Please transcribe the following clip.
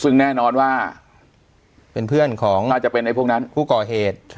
ซึ่งแน่นอนว่าเป็นเพื่อนของน่าจะเป็นไอ้พวกนั้นผู้ก่อเหตุ